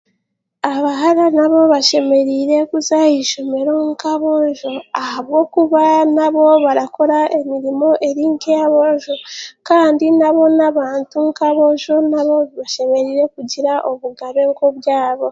Abahara nabo bashemereire kuza aha ishomero nk'aboojo ahakuba nabo barakora emirimo eri nk'ey'abooja kandi nabo n'abantu nk'aboojo bashemereire kugira obugabe nk'obwabo.